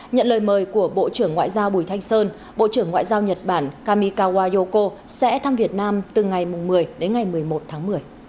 nhận lời mời của bộ trưởng ngoại giao bùi thanh sơn bộ trưởng ngoại giao nhật bản kamikawa yoko sẽ thăm việt nam từ ngày một mươi đến ngày một mươi một tháng một mươi